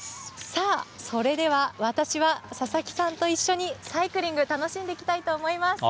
さあ、それでは私は佐々木さんと一緒に、サイクリング楽しんいいですね。